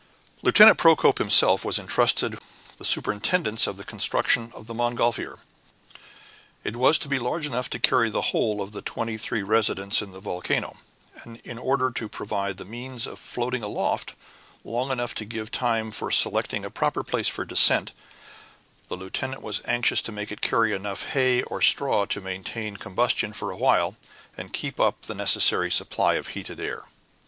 To Lieutenant Procope himself was entrusted the superintendence of the construction of the montgolfier, and the work was begun at once. It was to be large enough to carry the whole of the twenty three residents in the volcano, and, in order to provide the means of floating aloft long enough to give time for selecting a proper place for descent, the lieutenant was anxious to make it carry enough hay or straw to maintain combustion for a while, and keep up the necessary supply of heated air.